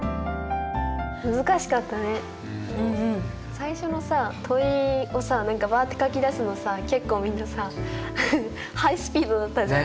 最初のさ問いをさ何かバッて書き出すのさ結構みんなさハイスピードだったじゃん。